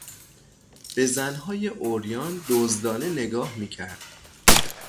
به زنهای عریان دزدانه نگاه میکرد.